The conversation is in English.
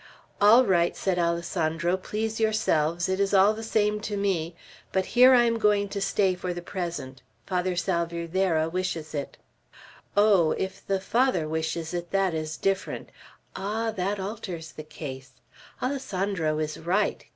"All right," said Alessandro; "please yourselves! It is all the same to me. But here I am going to stay for the present. Father Salvierderra wishes it." "Oh, if the Father wishes it, that is different." "Ah, that alters the case!" "Alessandro is right!"